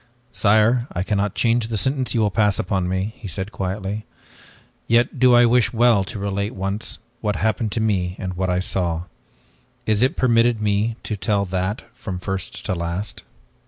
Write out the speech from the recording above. "Sire, I cannot change the sentence you will pass upon me," he said quietly, "yet do I wish well to relate once, what happened to me and what I saw. Is it permitted me to tell that from first to last?"